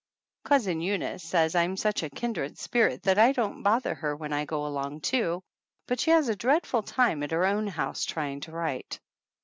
Cousin Eunice says I'm such a kindred spirit that I don't bother her when I go along too, but she has a dreadful time at her own house trying to write.